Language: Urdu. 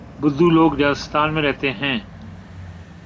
بدو لوگ ریگستان میں رہتے ہیں۔